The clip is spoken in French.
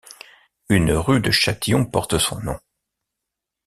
Une rue de Chatillon porte son nom.